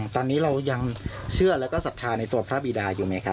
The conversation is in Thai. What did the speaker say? ตอนนี้เรายังเชื่อแล้วก็ศรัทธาในตัวพระบิดาอยู่ไหมครับ